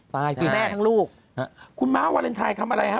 แล้วทั้งคุณแม่ทั้งลูก